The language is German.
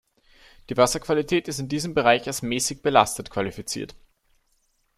Die Wasserqualität ist in diesem Bereich als "mäßig belastet" qualifiziert.